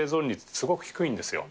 すごく低いんですよ。